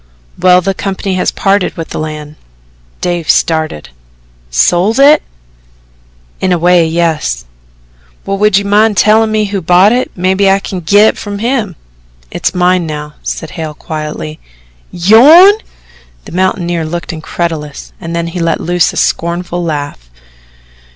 "Well, the company has parted with the land." Dave started. "Sold it?" "In a way yes." "Well, would you mind tellin' me who bought it maybe I can git it from him." "It's mine now," said Hale quietly. "YOURN!" The mountaineer looked incredulous and then he let loose a scornful laugh.